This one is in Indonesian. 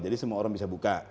jadi semua orang bisa buka